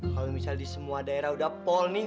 kalau misalnya di semua daerah udah pol nih